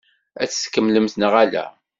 Ad t-tkemmlemt neɣ ala?